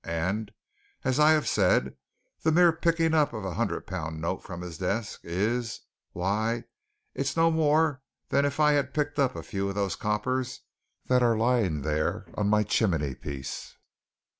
And, as I said, the mere picking up of a hundred pound note from his desk is why, it's no more than if I picked up a few of those coppers that are lying there on my chimney piece!"